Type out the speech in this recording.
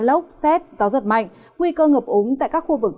nguy cơ ngập úng tại các khu vực trung tâm nếu không có mưa rông thì không có mưa rông